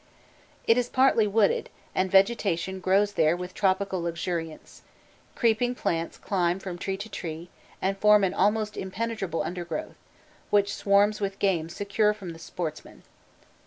It is partly wooded, and vegetation grows there with tropical luxuriance; creeping plants climb from tree to tree, and form an almost impenetrable undergrowth, which swarms with game secure from the sportsman.